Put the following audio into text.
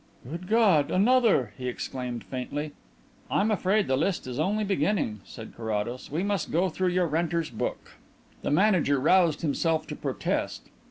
"Good God, another!" he exclaimed faintly. "I am afraid the list is only beginning," said Carrados. "We must go through your renters' book." The manager roused himself to protest.